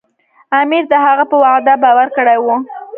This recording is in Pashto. امیر د هغه په وعده باور کړی و.